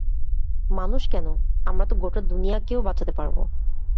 মানুষ কেন, আমরা তো গোটা দুনিয়াকেও বাঁচাতে পারবো।